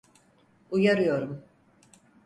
Uyarıyorum.